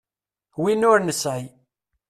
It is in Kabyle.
Win ur nesɛi.